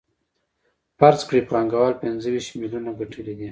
فرض کړئ پانګوال پنځه ویشت میلیونه ګټلي دي